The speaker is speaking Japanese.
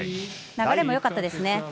流れもよかったですね。